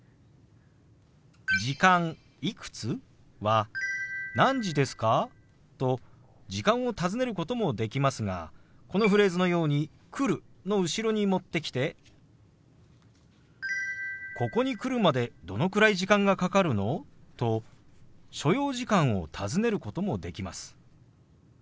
「時間いくつ？」は「何時ですか？」と時間を尋ねることもできますがこのフレーズのように「来る」の後ろに持ってきて「ここに来るまでどのくらい時間がかかるの？」と所要時間を尋ねることもできます。